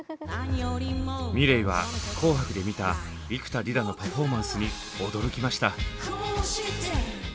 ｍｉｌｅｔは「紅白」で見た幾田りらのパフォーマンスに驚きました。